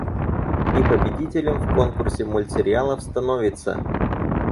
И победителем в конкурсе мультсериалов становится…